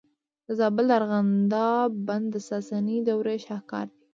د زابل د ارغنداب بند د ساساني دورې شاهکار دی